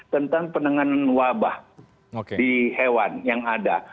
tentang penanganan wabah di hewan yang ada